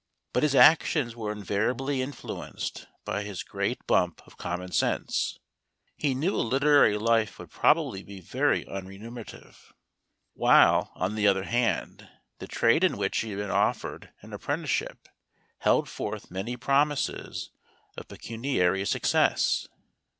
But his actions were invari¬ ably influenced by his great bump of common sense. He knew a literary life would probably be very unre munerative; while, on the other hand, the trade in which he had been offered an apprenticeship held forth many promises of pecuniary success.